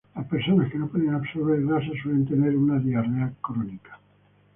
Las personas que no pueden absorber grasas suelen tener una diarrea crónica.